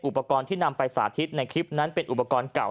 อุปกรณ์ที่นำไปสาธิตในคลิปนั้นเป็นอุปกรณ์เก่า